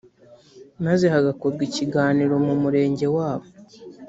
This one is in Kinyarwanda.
maze hagakorwa ikiganiro mu umurenge wabo